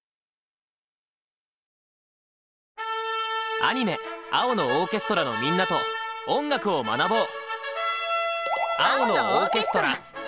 アニメ「青のオーケストラ」のみんなと音楽を学ぼう！